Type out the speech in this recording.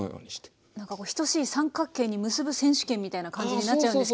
何かこう等しい三角形に結ぶ選手権みたいな感じになっちゃうんですけど。